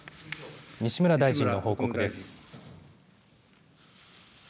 西村大臣の報告です。